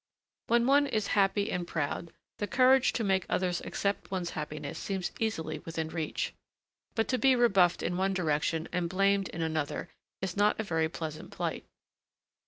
When one is happy and proud, the courage to make others accept one's happiness seems easily within reach; but to be rebuffed in one direction and blamed in another is not a very pleasant plight.